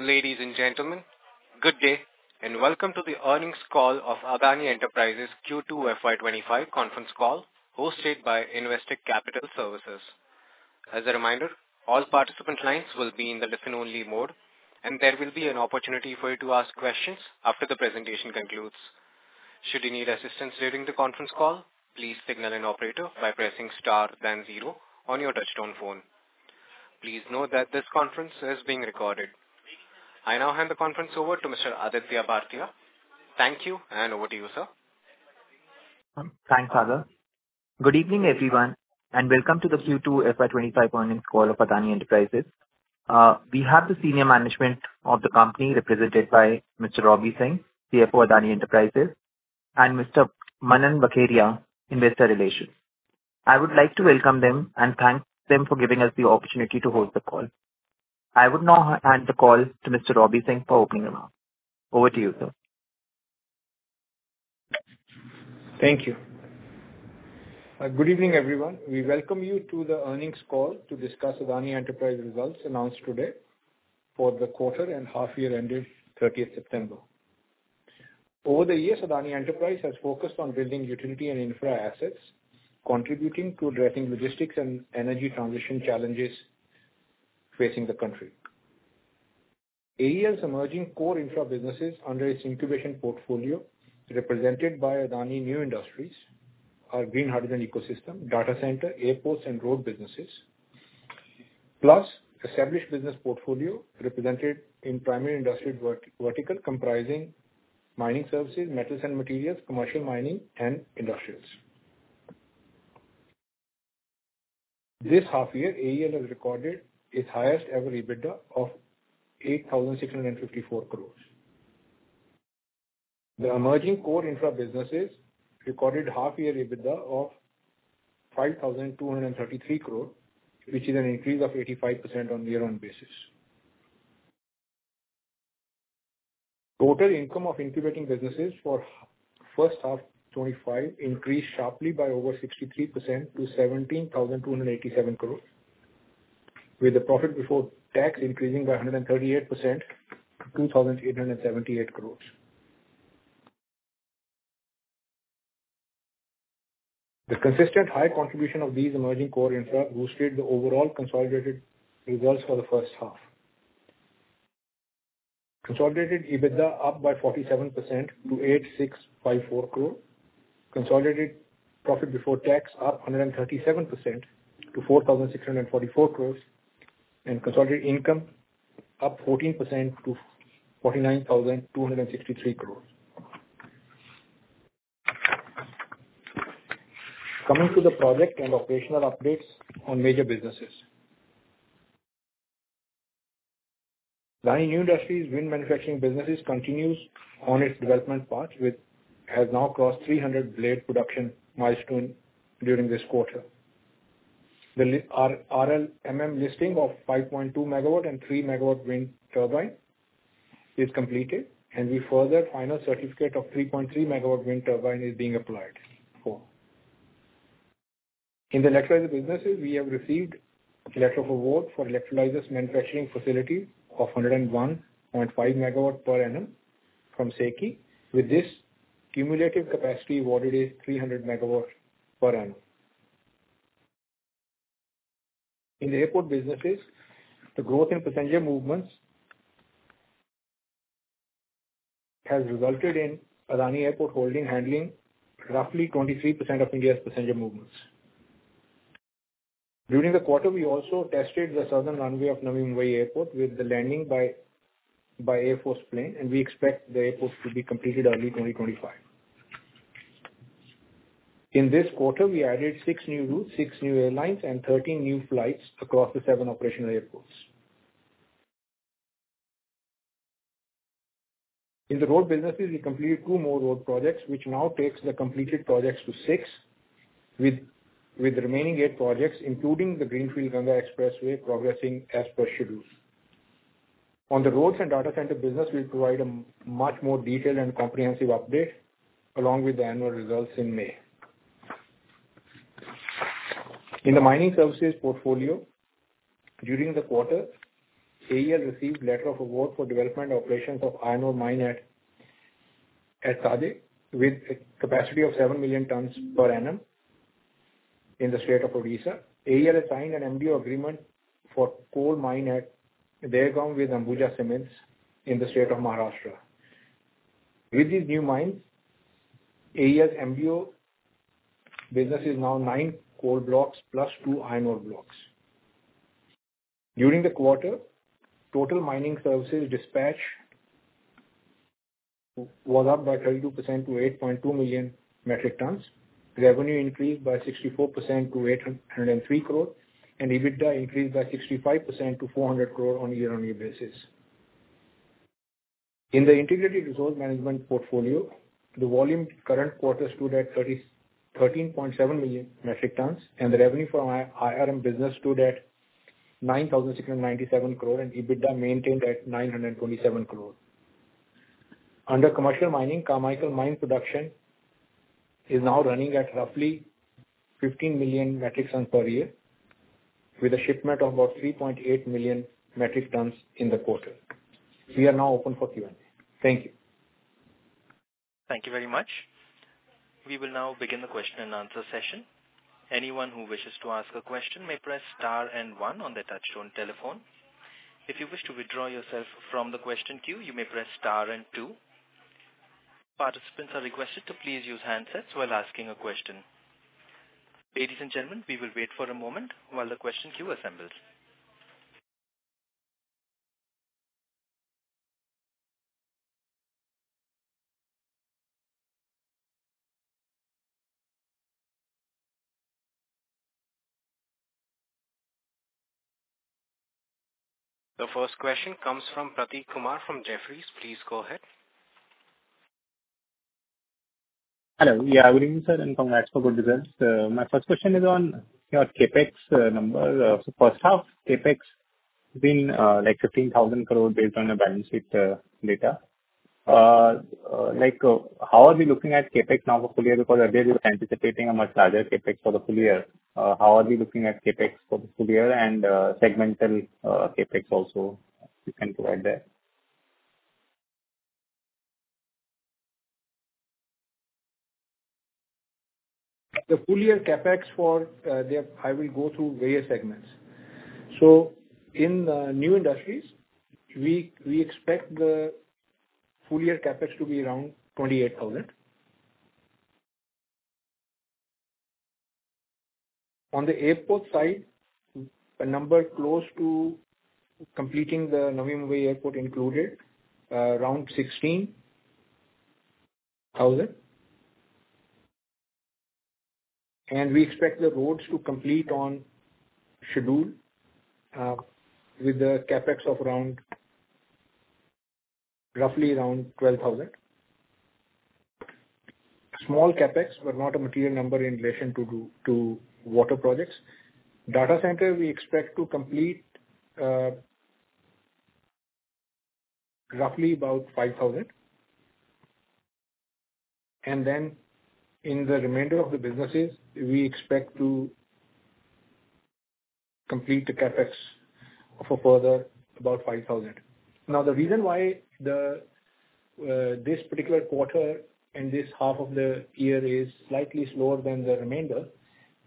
Ladies and gentlemen, good day, and welcome to the earnings call of Adani Enterprises Q2 FY 2025 conference call, hosted by Investec Capital Services. As a reminder, all participant lines will be in the listen-only mode, and there will be an opportunity for you to ask questions after the presentation concludes. Should you need assistance during the conference call, please signal an operator by pressing star then zero on your touchtone phone. Please note that this conference is being recorded. I now hand the conference over to Mr. Aditya Bhartia. Thank you, and over to you, sir. Thanks, Sagar. Good evening, everyone, and welcome to the Q2 FY twenty-five earnings call of Adani Enterprises. We have the senior management of the company, represented by Mr. Robbie Singh, CFO, Adani Enterprises, and Mr. Manan Vakharia, Investor Relations. I would like to welcome them and thank them for giving us the opportunity to host the call. I would now hand the call to Mr. Robbie Singh for opening remarks. Over to you, sir. Thank you. Good evening, everyone. We welcome you to the earnings call to discuss Adani Enterprises results announced today for the quarter and half year ended thirtieth September. Over the years, Adani Enterprises has focused on building utility and infra assets, contributing to addressing logistics and energy transition challenges facing the country. AEL's emerging core infra businesses under its incubation portfolio, represented by Adani New Industries, our green hydrogen ecosystem, data center, airports, and road businesses, plus established business portfolio represented in primary industrial vertical, comprising mining services, metals and materials, commercial mining, and industrials. This half year, AEL has recorded its highest ever EBITDA of 8,654 crore. The emerging core infra businesses recorded half year EBITDA of 5,233 crore, which is an increase of 85% on year-on-year basis. Total income of incubating businesses for first half 2025 increased sharply by over 63% to 17,287 crore, with the profit before tax increasing by 138% to 2,878 crore. The consistent high contribution of these emerging core infra boosted the overall consolidated results for the first half. Consolidated EBITDA up 47% to 8,654 crore. Consolidated profit before tax up 137% to 4,644 crore, and consolidated income up 14% to 49,263 crore. Coming to the project and operational updates on major businesses. Adani New Industries wind manufacturing businesses continues on its development path, which has now crossed 300 blade production milestone during this quarter. Our RLMM listing of 5.2 megawatt and 3 megawatt wind turbine is completed, and the final certificate of 3.3 megawatt wind turbine is being applied for. In the electrolyzer businesses, we have received letter of award for electrolyzers manufacturing facility of 101.5 megawatt per annum from SECI. With this, cumulative capacity awarded is 300 megawatt per annum. In the airport businesses, the growth in passenger movements has resulted in Adani Airport Holdings handling roughly 23% of India's passenger movements. During the quarter, we also tested the southern runway of Navi Mumbai Airport with the landing by Indian Air Force plane, and we expect the airport to be completed early 2025. In this quarter, we added six new routes, six new airlines, and 13 new flights across the seven operational airports. In the road businesses, we completed two more road projects, which now takes the completed projects to six, with remaining eight projects, including the Greenfield Ganga Expressway, progressing as per schedule. On the roads and data center business, we'll provide a much more detailed and comprehensive update along with the annual results in May. In the mining services portfolio, during the quarter, AEL received letter of award for development operations of iron ore mine at Suakati, with a capacity of seven million tons per annum in the state of Odisha. AEL has signed an MDO agreement for coal mine at Dahegaon with Ambuja Cements in the state of Maharashtra. With these new mines, AEL's MDO business is now nine coal blocks plus two iron ore blocks. During the quarter, total mining services dispatch was up by 32% to 8.2 million metric tons. Revenue increased by 64% to 803 crore, and EBITDA increased by 65% to 400 crore on a year-on-year basis. In the integrated resource management portfolio, the volume current quarter stood at 31.7 million metric tons, and the revenue from IRM business stood at 9,697 crore, and EBITDA maintained at 927 crore. Under commercial mining, Carmichael mine production is now running at roughly 15 million metric tons per year, with a shipment of about 3.8 million metric tons in the quarter. We are now open for Q&A. Thank you. Thank you very much. We will now begin the question-and-answer session. Anyone who wishes to ask a question may press star and one on their touchtone telephone. If you wish to withdraw yourself from the question queue, you may press star and two. Participants are requested to please use handsets while asking a question. Ladies and gentlemen, we will wait for a moment while the question queue assembles. The first question comes from Prateek Kumar, from Jefferies. Please go ahead. Hello. Yeah, good evening, sir, and congrats for good results. My first question is on your CapEx number. So first half CapEx been like 15,000 crore based on your balance sheet data. Like, how are we looking at CapEx now for full year? Because earlier you were anticipating a much larger CapEx for the full year. How are we looking at CapEx for the full year and segmental CapEx also? You can provide there? The full year CapEx. I will go through various segments. So in the New Industries, we expect the full year CapEx to be around 28 thousand. On the airport side, a number close to completing the Navi Mumbai airport included around 16 thousand. And we expect the roads to complete on schedule with a CapEx of roughly around 12 thousand. Small CapEx, but not a material number in relation to the water projects. Data center, we expect to complete roughly about 5 thousand. And then in the remainder of the businesses, we expect to complete the CapEx of a further about 5 thousand. Now, the reason why the this particular quarter and this half of the year is slightly slower than the remainder,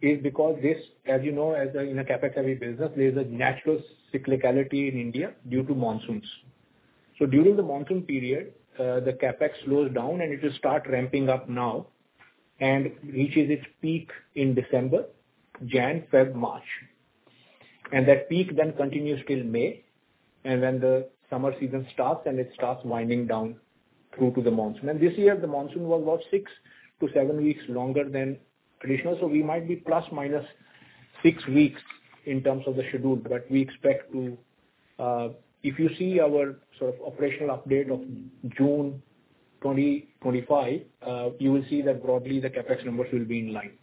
is because this, as you know, as a, in a capital-heavy business, there's a natural cyclicality in India due to monsoons. So during the monsoon period, the CapEx slows down, and it will start ramping up now and reaches its peak in December, January, February, March. And that peak then continues till May, and then the summer season starts, and it starts winding down through to the monsoon. And this year the monsoon was about six to seven weeks longer than traditional, so we might be plus/minus six weeks in terms of the schedule. But we expect to, if you see our sort of operational update of June 2025, you will see that broadly the CapEx numbers will be in line.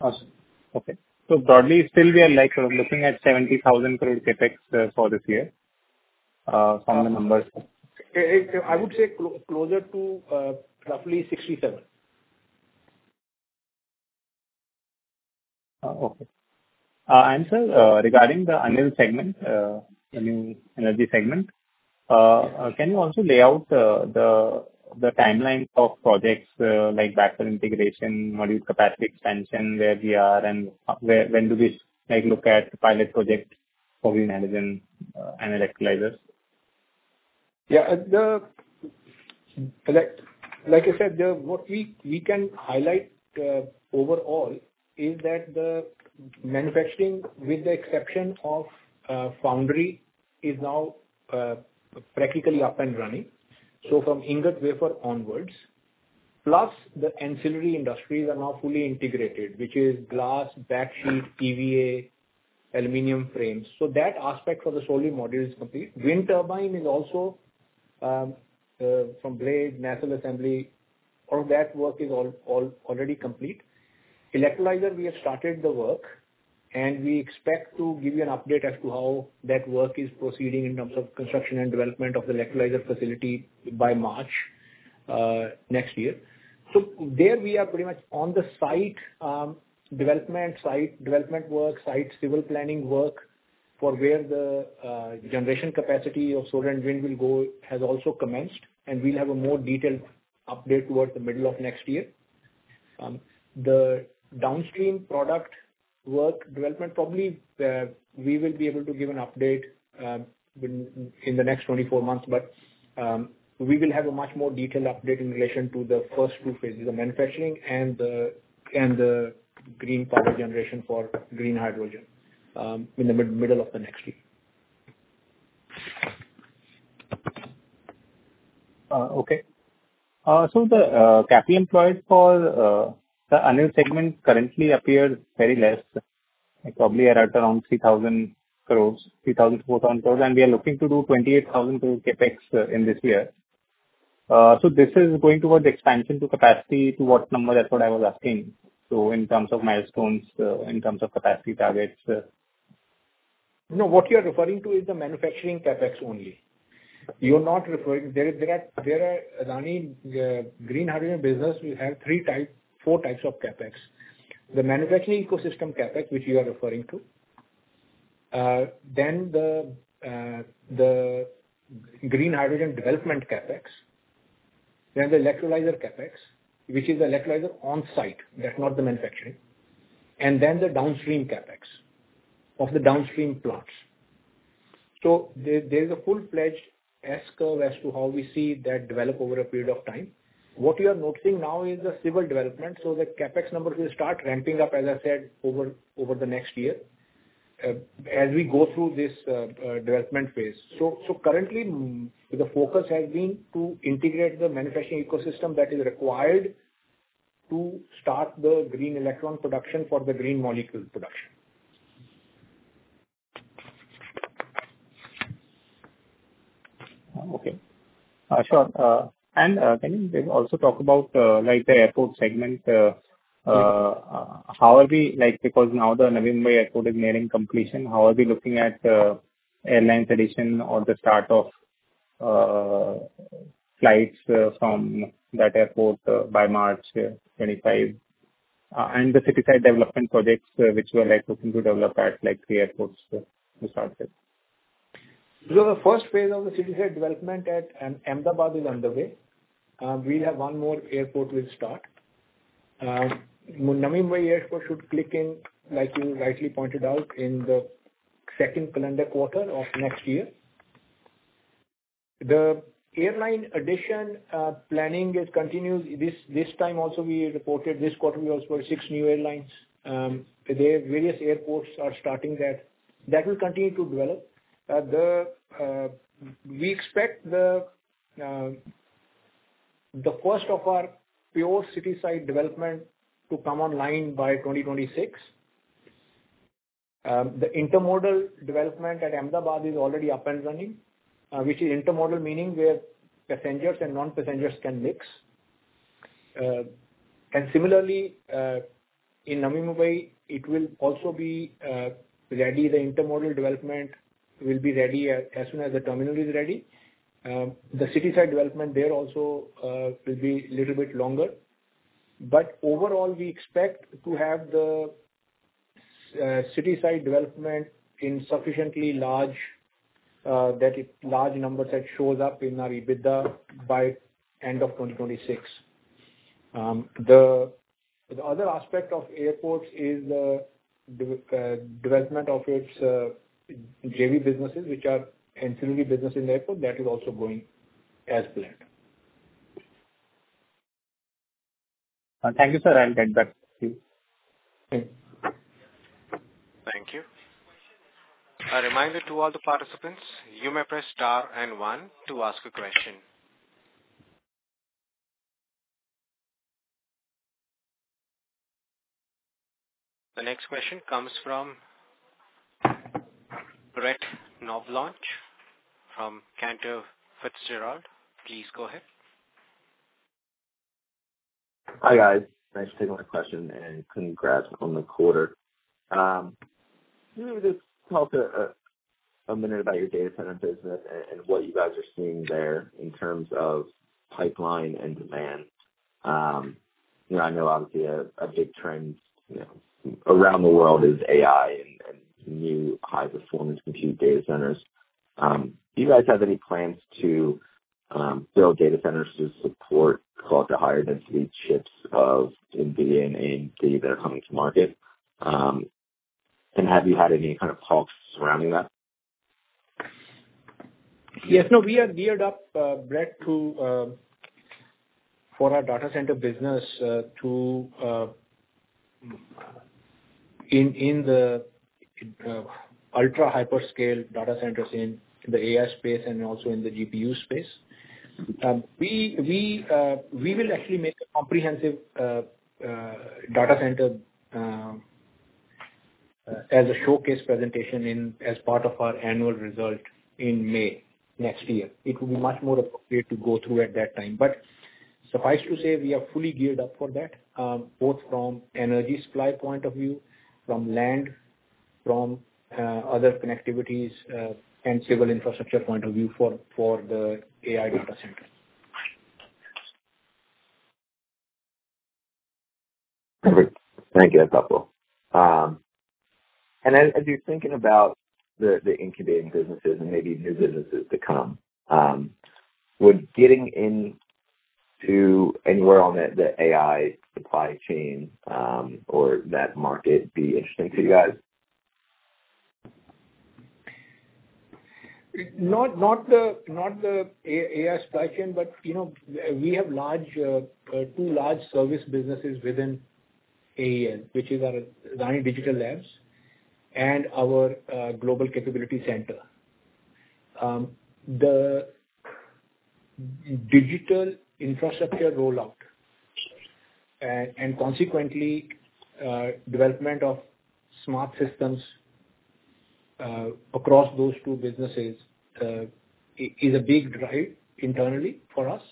Awesome. Okay. So broadly, still we are like sort of looking at 70,000 crore CapEx for this year from the numbers? I would say closer to roughly sixty-seven. Okay. And sir, regarding the renewable segment, the new energy segment, can you also lay out the timeline of projects, like backward integration, module capacity expansion, where we are and where, when do we like look at pilot projects for green hydrogen and electrolyzers? Yeah, at the... Like, like I said, what we can highlight overall is that the manufacturing, with the exception of foundry, is now practically up and running. So from ingot wafer onwards, plus the ancillary industries are now fully integrated, which is glass, backsheet, EVA, aluminum frames. So that aspect for the solar module is complete. Wind turbine is also from blade, nacelle, assembly, all that work is already complete. Electrolyzer, we have started the work, and we expect to give you an update as to how that work is proceeding in terms of construction and development of the electrolyzer facility by March next year. There we are pretty much on the site development, site development work, site civil planning work for where the generation capacity of solar and wind will go, has also commenced, and we'll have a more detailed update towards the middle of next year. The downstream product work development, probably we will be able to give an update when in the next twenty-four months. We will have a much more detailed update in relation to the first two phases, the manufacturing and the green power generation for green hydrogen, in the middle of the next year. Okay. So the CapEx employed for the ANIL segment currently appears very less, probably around 3,000 crore, 3,000, 4,000 crore, and we are looking to do 28,000 crore CapEx in this year. So this is going toward the expansion to capacity, to what number? That's what I was asking. So in terms of milestones, in terms of capacity targets. No, what you are referring to is the manufacturing CapEx only. You're not referring. There are Adani green hydrogen business, we have four types of CapEx. The manufacturing ecosystem CapEx, which you are referring to, then the green hydrogen development CapEx, then the electrolyzer CapEx, which is the electrolyzer on site, that's not the manufacturing, and then the downstream CapEx, of the downstream plants. So there's a full-fledged S-curve as to how we see that develop over a period of time. What we are noticing now is a civil development, so the CapEx numbers will start ramping up, as I said, over the next year, as we go through this development phase. Currently, the focus has been to integrate the manufacturing ecosystem that is required to start the green electron production for the green molecule production. Okay. Sure. And can you also talk about, like, the airport segment? Like, because now the Navi Mumbai Airport is nearing completion, how are we looking at airline traction or the start of flights from that airport by March twenty-five, and the city side development projects which we are, like, looking to develop at, like, three airports to start with? So the first phase of the city side development at Ahmedabad is underway. We have one more airport we'll start. Navi Mumbai Airport should kick in, like you rightly pointed out, in the second calendar quarter of next year. The airline addition planning is continued. This, this time also, we reported this quarter, we also have six new airlines. Their various airports are starting that. That will continue to develop. We expect the first of our pure city side development to come online by twenty twenty-six. The intermodal development at Ahmedabad is already up and running, which is intermodal, meaning where passengers and non-passengers can mix. And similarly, in Navi Mumbai, it will also be ready. The intermodal development will be ready as soon as the terminal is ready. The city side development there also will be a little bit longer, but overall, we expect to have the city side development in sufficiently large numbers that shows up in our EBITDA by end of 2026. The other aspect of airports is the development of its JV businesses, which are ancillary business in airport. That is also going as planned. Thank you, sir. I'll get back to you. Okay. Thank you. A reminder to all the participants, you may press star and One to ask a question. The next question comes from Brett Knoblauch from Cantor Fitzgerald. Please go ahead. Hi, guys. Thanks for taking my question, and congrats on the quarter. Can you just talk a minute about your data center business and what you guys are seeing there in terms of pipeline and demand? You know, I know obviously a big trend, you know, around the world is AI and new high-performance compute data centers. Do you guys have any plans to build data centers to support the higher density chips of NVIDIA and AMD that are coming to market? And have you had any kind of talks surrounding that? Yes. No, we are geared up, Brett, to for our data center business, to in the ultra-hyperscale data centers in the AI space and also in the GPU space. We will actually make a comprehensive data center as a showcase presentation in as part of our annual result in May next year. It will be much more appropriate to go through at that time. But suffice to say, we are fully geared up for that both from energy supply point of view, from land, from other connectivities and civil infrastructure point of view for the AI data center. Great. Thank you, appreciate it. And then as you're thinking about the incubating businesses and maybe new businesses to come, would getting into anywhere on the AI supply chain or that market be interesting to you guys? Not the AI supply chain, but you know, we have two large service businesses within AEL, which is our Adani Digital Labs and our Global Capability Center. The digital infrastructure rollout and consequently development of smart systems across those two businesses is a big drive internally for us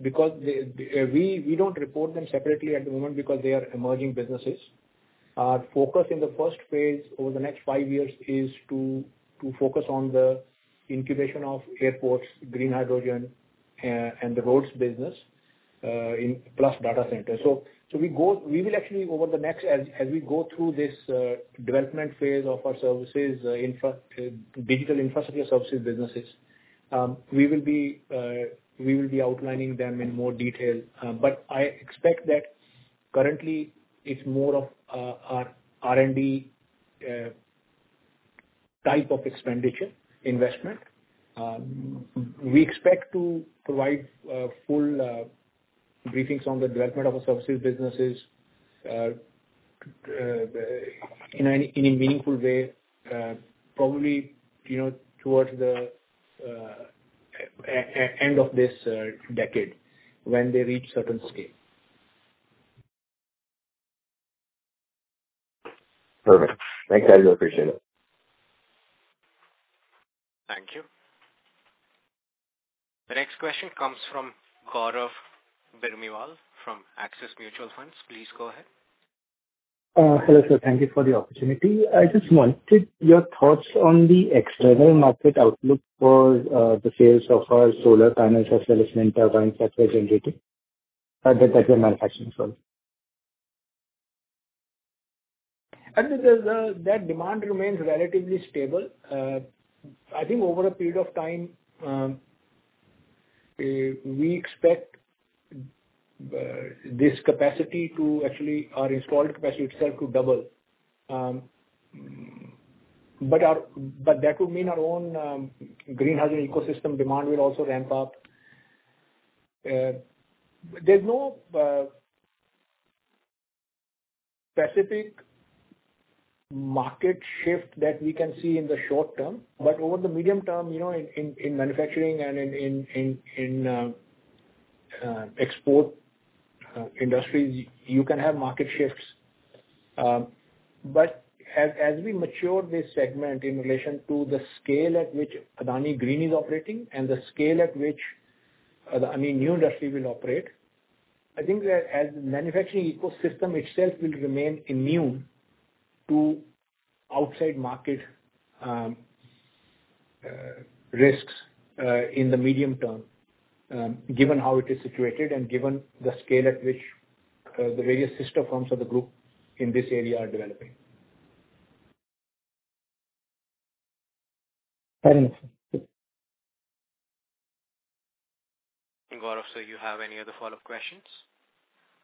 because we don't report them separately at the moment because they are emerging businesses. Our focus in the first phase over the next five years is to focus on the incubation of airports, green hydrogen, and the roads business, plus data center. So, we will actually, over the next, as we go through this development phase of our services infrastructure, digital infrastructure services businesses, we will be outlining them in more detail. But I expect that currently it's more of a R&D type of expenditure investment. We expect to provide full briefings on the development of our services businesses in a meaningful way, probably, you know, towards the end of this decade, when they reach certain scale. Perfect. Thanks, I do appreciate it. Thank you. The next question comes from Gaurav Birmiwal from Axis Mutual Fund. Please go ahead. Hello, sir. Thank you for the opportunity. I just wanted your thoughts on the external market outlook for the sales of our solar panels as well as wind turbines that we're manufacturing, sorry. I think that demand remains relatively stable. I think over a period of time, we expect this capacity to actually our installed capacity itself to double. But that would mean our own green hydrogen ecosystem demand will also ramp up. There's no specific market shift that we can see in the short term, but over the medium term, you know, in manufacturing and in export industries, you can have market shifts. But as, as we mature this segment in relation to the scale at which Adani Green is operating and the scale at which, I mean, New Industries will operate, I think that as manufacturing ecosystem itself will remain immune to outside market risks in the medium term, given how it is situated and given the scale at which the various sister firms of the group in this area are developing. Very nice. Gaurav, sir, you have any other follow-up questions?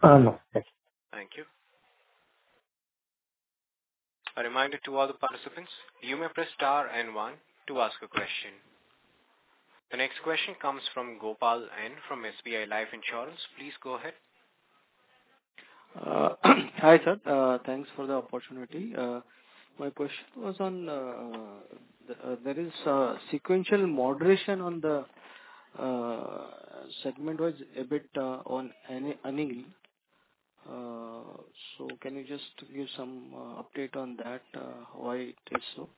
No. Thank you. Thank you. A reminder to all the participants, you may press star and one to ask a question. The next question comes from Gopal N from SBI Life Insurance. Please go ahead. Hi, sir. Thanks for the opportunity. My question was on the there is a sequential moderation on the segment was a bit on ANIL. So can you just give some update on that, why it is so?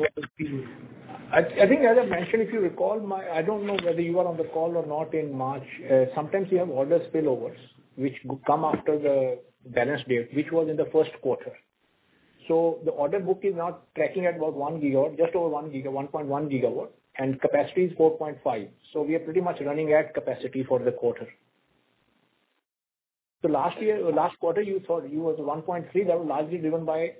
I think as I mentioned, if you recall, I don't know whether you were on the call or not in March. Sometimes we have order spillovers, which come after the balance date, which was in the first quarter. So the order book is now tracking at about 1 gigawatt, just over one giga, 1.1 gigawatt, and capacity is 4.5. So we are pretty much running at capacity for the quarter. So last year, or last quarter, you saw it was 1.3. That was largely driven by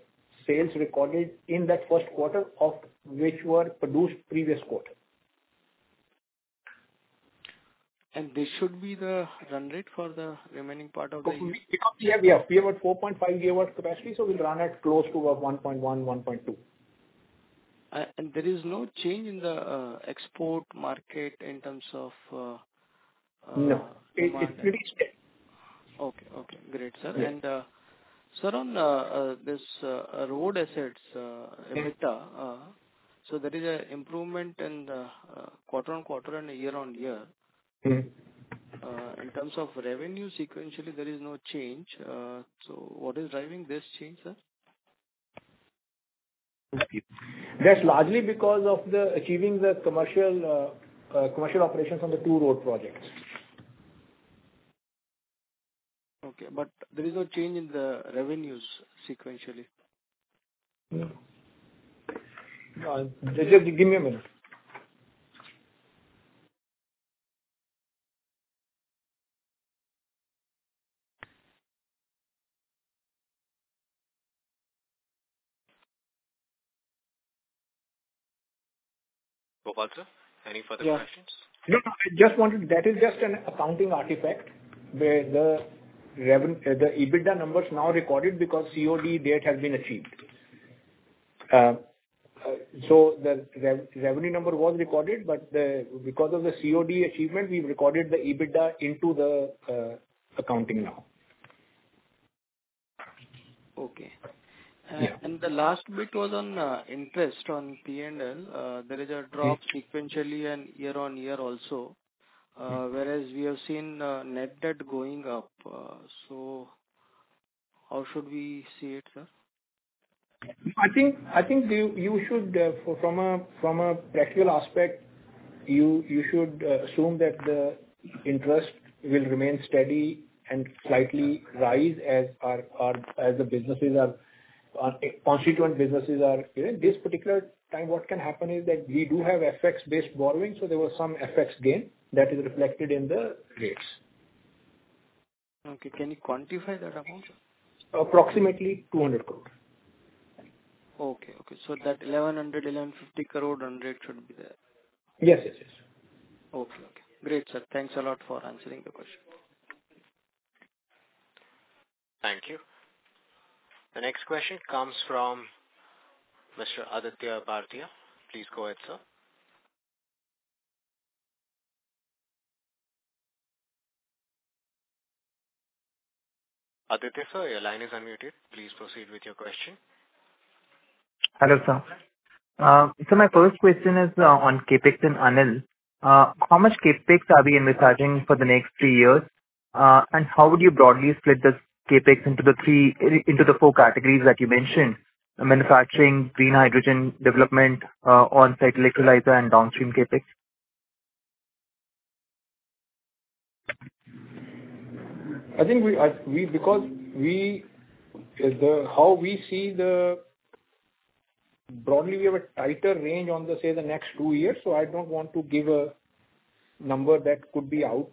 sales recorded in that first quarter, of which were produced previous quarter. This should be the run rate for the remaining part of the year? We have a 4.5 gigawatt capacity, so we'll run at close to about 1.1-1.2. And there is no change in the export market in terms of. No, it's pretty steady. Okay. Okay, great, sir. Yeah. Sir, on this road assets, Mm-hmm. So there is a improvement in the quarter on quarter and year on year. Mm-hmm. In terms of revenue, sequentially, there is no change. So what is driving this change, sir? That's largely because of achieving the commercial operations on the two road projects. Okay, but there is no change in the revenues sequentially? No. Just give me a minute. Gopal sir, any further questions? No, no, I just wanted... That is just an accounting artifact, where the EBITDA numbers now recorded, because COD date has been achieved. So the revenue number was recorded, but because of the COD achievement, we've recorded the EBITDA into the accounting now. Okay. And the last bit was on interest on P&L. There is a drop sequentially and year-on-year also, whereas we have seen net debt going up. So how should we see it, sir? I think you should, from a practical aspect, assume that the interest will remain steady and slightly rise as our constituent businesses are. In this particular time, what can happen is that we do have FX-based borrowing, so there was some FX gain that is reflected in the rates. Okay. Can you quantify that amount? Approximately 200 crore. Okay, okay. So that 1,100 crore-1,150 crore run rate should be there. Yes, yes, yes. Okay, okay. Great, sir. Thanks a lot for answering the question. Thank you. The next question comes from Mr. Aditya Bhartia. Please go ahead, sir. Aditya, sir, your line is unmuted. Please proceed with your question. Hello, sir. So my first question is on CapEx and ANIL. How much CapEx are we envisioning for the next three years, and how would you broadly split this CapEx into the four categories that you mentioned, manufacturing, green hydrogen, development, on-site electrolyzer and downstream CapEx? I think, broadly, we have a tighter range on, say, the next two years, so I don't want to give a number that could be out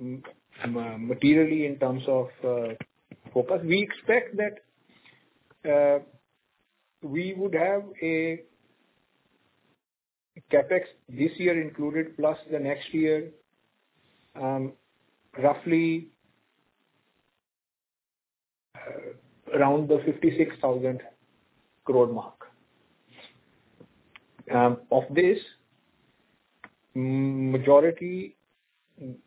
materially in terms of focus. We expect that we would have a CapEx, this year included, plus the next year, roughly around the 56,000 crore mark. Of this, majority,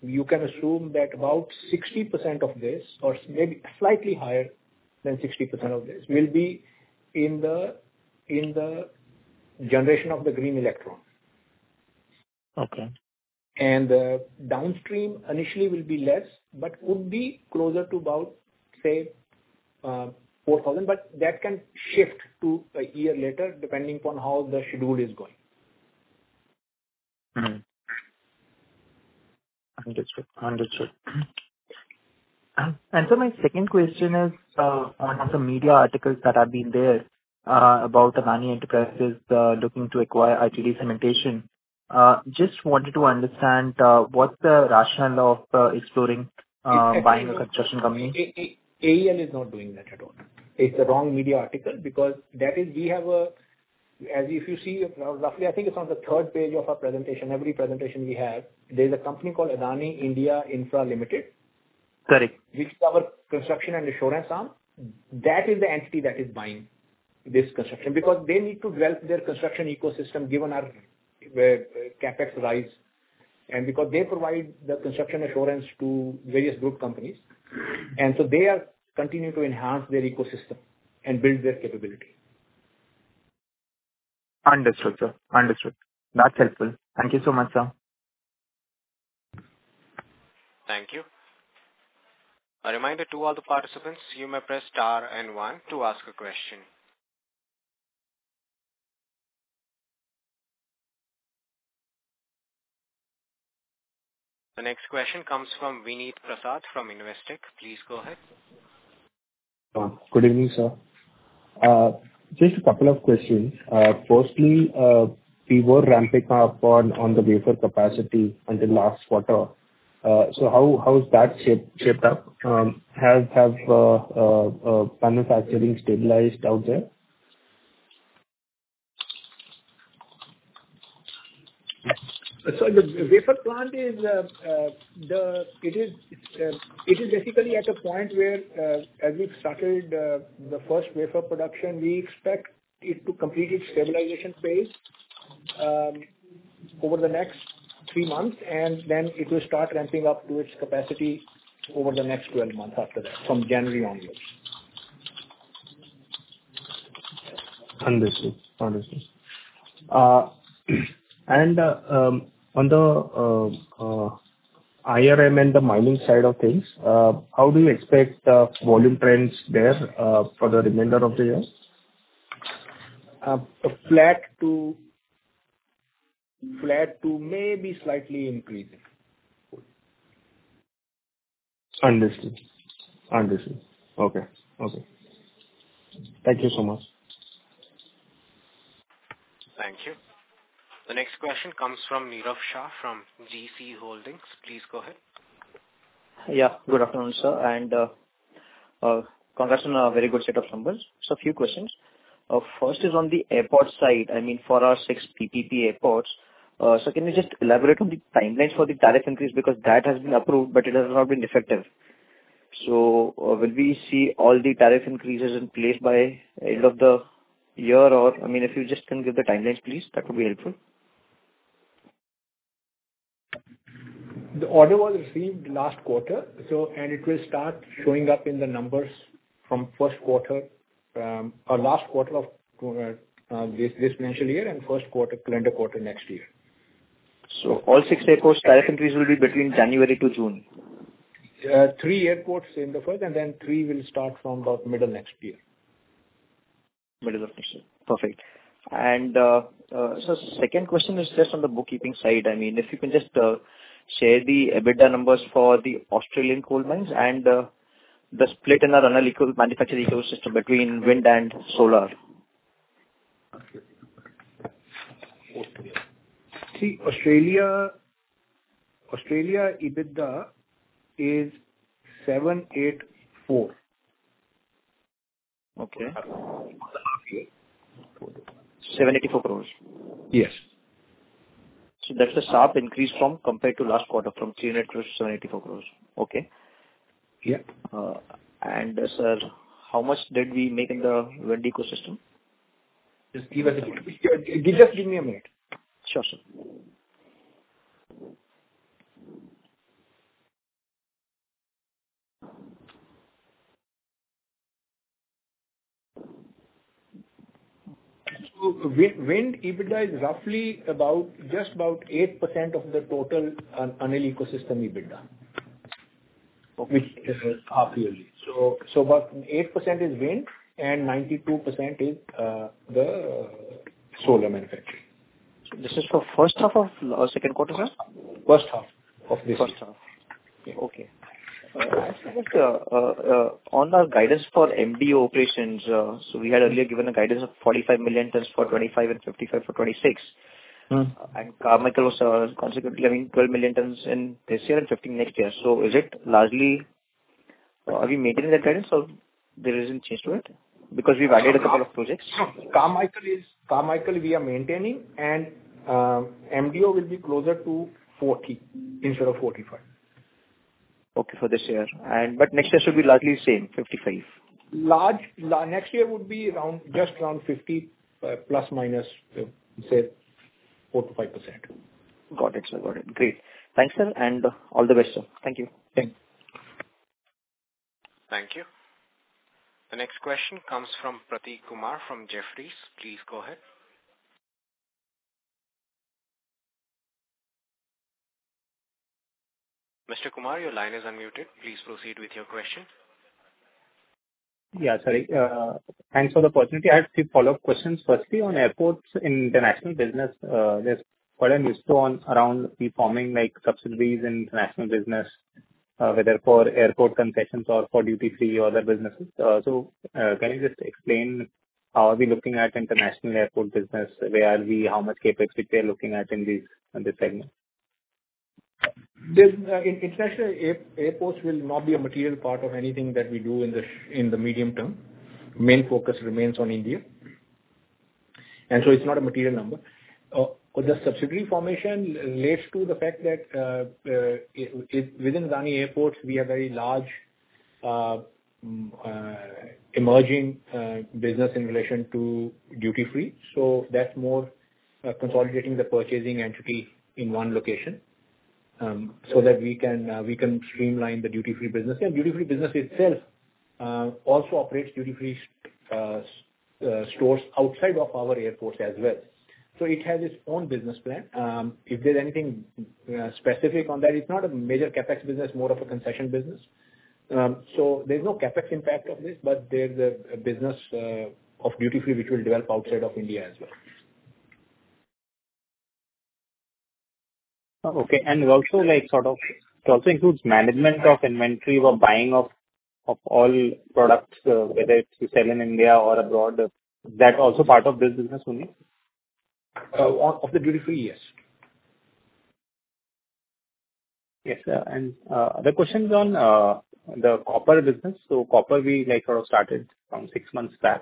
you can assume that about 60% of this, or maybe slightly higher than 60% of this, will be in the generation of the green electron. Okay. Downstream initially will be less, but would be closer to about, say, four thousand, but that can shift to a year later, depending upon how the schedule is going. Mm-hmm. Understood, understood. And so my second question is, on the media articles that have been there, about Adani Enterprises, looking to acquire ITD Cementation. Just wanted to understand, what's the rationale of, exploring, buying a construction company? AEL is not doing that at all. It's the wrong media article, because that is, we have a... As you can see, roughly, I think it's on the third page of our presentation, every presentation we have, there's a company called Adani Infra (India) Limited. Correct. Which is our construction and insurance arm. That is the entity that is buying this construction, because they need to develop their construction ecosystem given our CapEx rise, and because they provide the construction assurance to various group companies. Mm-hmm. And so they are continuing to enhance their ecosystem and build their capability. Understood, sir. Understood. That's helpful. Thank you so much, sir. Thank you. A reminder to all the participants, you may press star and one to ask a question. The next question comes from Vineet Prasad from Investec. Please go ahead. Good evening, sir. Just a couple of questions. Firstly, we were ramping up on the wafer capacity in the last quarter. So how is that shaped up? Have manufacturing stabilized out there? So the wafer plant is basically at a point where, as we've started the first wafer production, we expect it to complete its stabilization phase over the next three months, and then it will start ramping up to its capacity over the next 12 months after that, from January onwards. Understood. Understood. On the IRM and the mining side of things, how do you expect volume trends there for the remainder of the year? Flat to maybe slightly increasing. Understood. Understood. Okay, okay. Thank you so much. Thank you. The next question comes from Nirav Shah, from GeeCee Holdings. Please go ahead. Yeah. Good afternoon, sir, and congrats on a very good set of numbers. So a few questions. First is on the airport side, I mean, for our six PPP airports. So can you just elaborate on the timelines for the tariff increase? Because that has been approved, but it has not been effective. So will we see all the tariff increases in place by end of the year, or, I mean, if you just can give the timelines, please, that would be helpful. The order was received last quarter, so and it will start showing up in the numbers from first quarter, or last quarter of this financial year and first quarter, calendar quarter next year. All six airports traffic increase will be between January to June? Three airports in the first, and then three will start from about middle next year. Middle of next year. Perfect. And, so second question is just on the bookkeeping side. I mean, if you can just, share the EBITDA numbers for the Australian coal mines and, the split in our Adani manufacturing ecosystem between wind and solar. Okay. See, Australia, EBITDA is 784. Okay. 784 crore? Yes. So that's a sharp increase compared to last quarter, from 300 crore-784 crore. Okay. Yeah. Sir, how much did we make in the wind ecosystem? Just give us a- Just, just give me a minute. Sure, sir. Wind EBITDA is roughly about, just about 8% of the total Adani Ecosystem EBITDA. Okay. Which is half yearly. So about 8% is wind and 92% is the solar manufacturing. This is for first half of second quarter, sir? First half of this year. On our guidance for MDO operations, so we had earlier given a guidance of 45 million tons for 2025 and 55 for 2026. Mm. And Carmichael was, consequently having 12 million tons in this year and 15 next year. So is it largely... Are we maintaining that guidance or there isn't change to it? Because we've added a couple of projects. Carmichael, we are maintaining, and MDO will be closer to 40 instead of 45. Okay, for this year, and but next year should be largely the same, 55. Next year would be around, just around 50, plus minus, say 4%-5%. Got it, sir. Got it. Great. Thanks, sir, and all the best, sir. Thank you. Thank you. Thank you. The next question comes from Pratik Kumar from Jefferies. Please go ahead. Mr. Kumar, your line is unmuted. Please proceed with your question. Yeah, sorry, thanks for the opportunity. I have two follow-up questions. Firstly, on airports, international business, there's quite a mystery around forming like subsidiaries and international business, whether for airport concessions or for duty-free or other businesses. So, can you just explain how are we looking at international airport business? Where are we? How much CapEx are we looking at in this segment? This international airports will not be a material part of anything that we do in the medium term. Main focus remains on India, and so it's not a material number. The subsidiary formation relates to the fact that within Adani Airports, we are very large emerging business in relation to duty-free. So that's more consolidating the purchasing entity in one location, so that we can streamline the duty-free business. And duty-free business itself also operates duty-free stores outside of our airport as well. So it has its own business plan. If there's anything specific on that, it's not a major CapEx business, more of a concession business. So, there's no CapEx impact of this, but there's a business of duty-free, which will develop outside of India as well. Okay, and also like sort of, it also includes management of inventory or buying of all products, whether it's to sell in India or abroad. That also part of this business only? Of the duty-free? Yes. Yes, sir. And the questions on the copper business. So copper we like sort of started from six months back.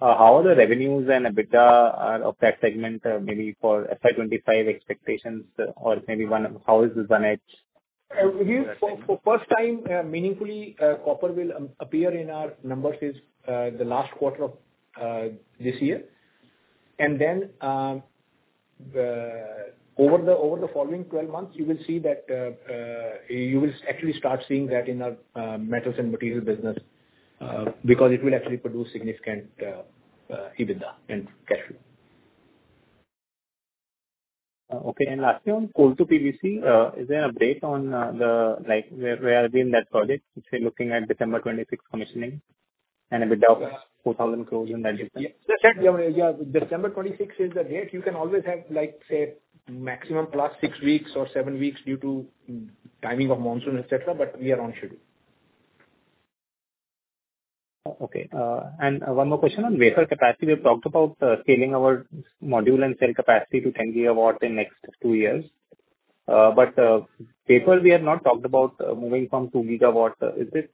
How are the revenues and EBITDA of that segment, maybe for FY 2025 expectations, or maybe FY1, how is the downside? For the first time, meaningfully, copper will appear in our numbers is the last quarter of this year. And then, over the following twelve months, you will see that you will actually start seeing that in our metals and materials business, because it will actually produce significant EBITDA and cash flow. Okay. And lastly, on coal to PVC, is there an update on the... Like, where are we in that project? If we're looking at December twenty-six commissioning and EBITDA 4,000 crore in that project. Yeah. Yeah, December twenty-six is the date. You can always have, like, say, maximum plus six weeks or seven weeks due to timing of monsoon, et cetera, but we are on schedule. Okay, and one more question on wafer capacity. We've talked about, scaling our module and cell capacity to 10 gigawatts in next 2 years. But, wafer we have not talked about, moving from 2 gigawatts. Is it,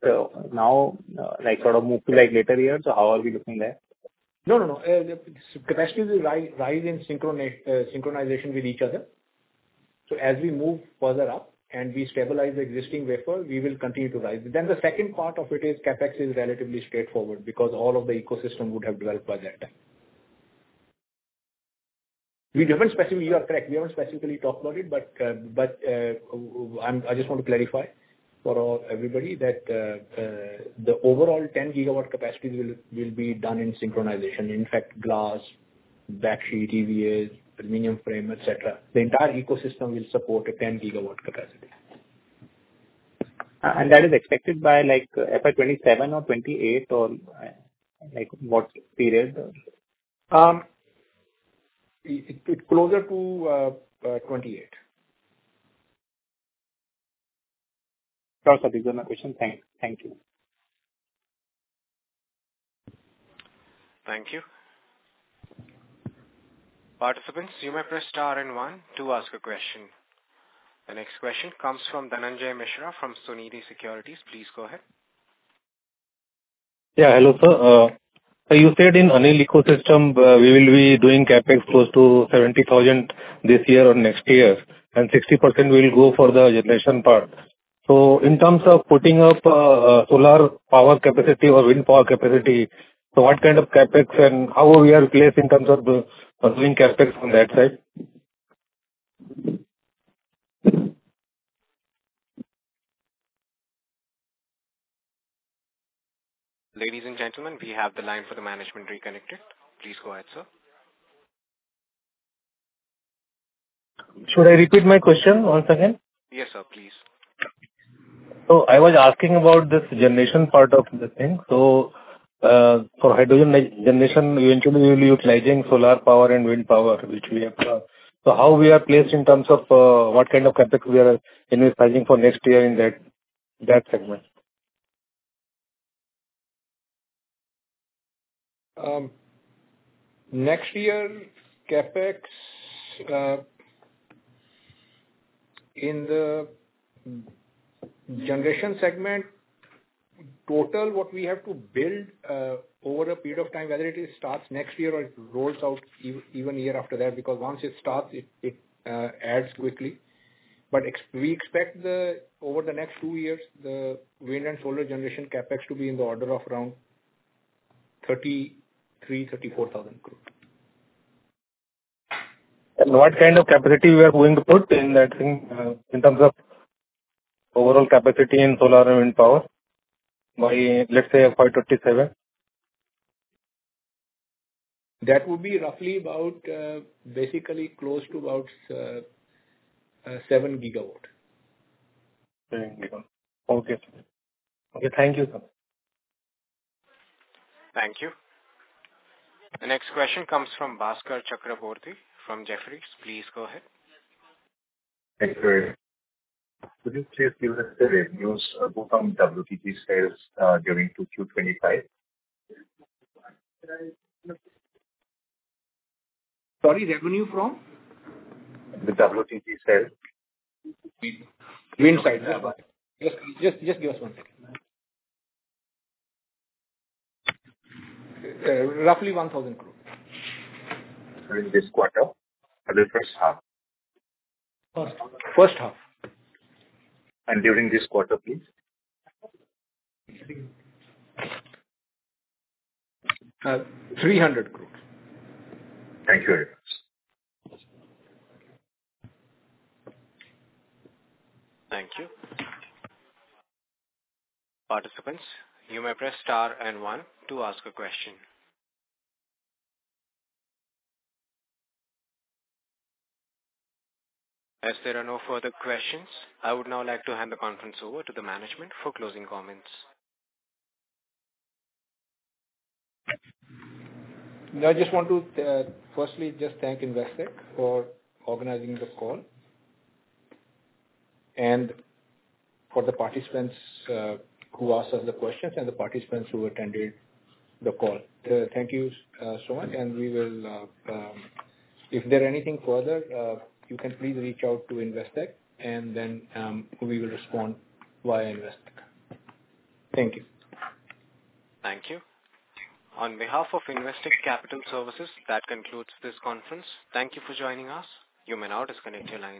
now, like sort of move to like later years, or how are we looking there? No, no, no. Capacities will rise in synchronization with each other. So as we move further up and we stabilize the existing wafer, we will continue to rise. Then the second part of it is CapEx is relatively straightforward because all of the ecosystem would have developed by that time. We haven't specifically, you are correct. We haven't specifically talked about it, but, I'm just want to clarify for all, everybody, that, the overall 10 gigawatt capacity will be done in synchronization. In fact, glass, battery, EVA, aluminum frame, et cetera. The entire ecosystem will support a 10 gigawatt capacity. and that is expected by like FY 2027 or 2028, or, like, what period? It closer to twenty-eight. That was a bigger question. Thank you. Thank you. Participants, you may press star and one to ask a question. The next question comes from Dhananjay Mishra, from Sunidhi Securities. Please go ahead. Yeah, hello, sir. So you said in Adani Ecosystem, we will be doing CapEx close to seventy thousand this year or next year, and 60% will go for the generation part. So in terms of putting up, solar power capacity or wind power capacity, so what kind of CapEx and how we are placed in terms of the doing CapEx on that side? Ladies and gentlemen, we have the line for the management reconnected. Please go ahead, sir. Should I repeat my question once again? Yes, sir, please. So I was asking about this generation part of the thing. So, for hydrogen generation, eventually we'll be utilizing solar power and wind power, which we have. So how we are placed in terms of, what kind of CapEx we are investing for next year in that segment? Next year, CapEx in the generation segment total what we have to build over a period of time, whether it starts next year or it rolls out even year after that, because once it starts, it adds quickly, but we expect over the next two years, the wind and solar generation CapEx to be in the order of around 33,000-34,000 crore. What kind of capacity are we going to put in that thing in terms of overall capacity in solar and wind power by, let's say, FY 2027? That would be roughly about, basically close to about, seven gigawatt. Seven gigawatts. Okay. Okay, thank you, sir. Thank you. The next question comes from Bhaskar Chakraborty from Jefferies. Please go ahead. Thank you. Could you please give us the revenues from WTG sales during two Q twenty-five? Sorry, revenue from? The WTG sales. Just give us one second. Roughly INR 1,000 crore. During this quarter or the first half? First half. During this quarter, please? INR 300 crore. Thank you. Thank you. Participants, you may press star and one to ask a question. As there are no further questions, I would now like to hand the conference over to the management for closing comments. I just want to, firstly, just thank Investec for organizing the call, and for the participants, who asked us the questions and the participants who attended the call. Thank you, so much, and we will, if there are anything further, you can please reach out to Investec and then, we will respond via Investec. Thank you. Thank you. On behalf of Investec Capital Services, that concludes this conference. Thank you for joining us. You may now disconnect your line.